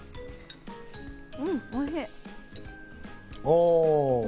うん、おいしい。